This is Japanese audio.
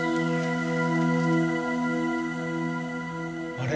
あれ？